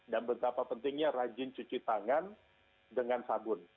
dan betapa pentingnya rajin cuci tangan dengan sabun